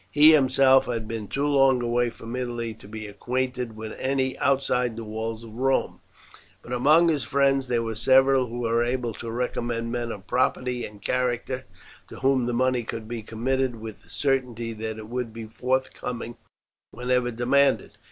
He himself had been too long away from Italy to be acquainted with any outside the walls of Rome; but among his friends there were several who were able to recommend men of property and character to whom the money could be committed with the certainty that it would be forthcoming whenever demanded.